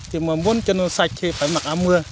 thì mà muốn cho nó sạch thì phải mặc áo mưa